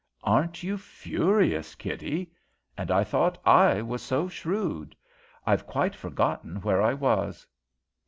"Aren't you furious, Kitty! And I thought I was so shrewd. I've quite forgotten where I was.